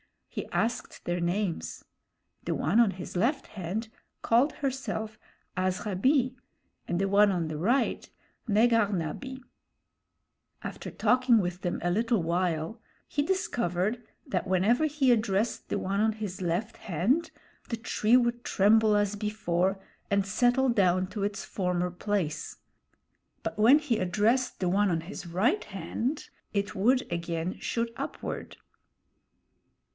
He asked their names. The one on his left hand called herself Azhabee, and the one on the right, Negahna bee. After talking with them a little while, he discovered that whenever he addressed the one on his left hand, the tree would tremble as before and settle down to its former place; but when he addressed the one on his right hand, it would again shoot upward.